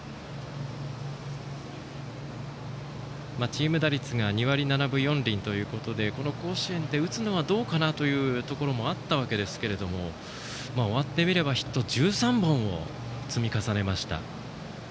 チーム打率が２割７分４厘ということで甲子園で打つのはどうかなというところもあったわけですが終わってみればヒット１３本を積み重ねました。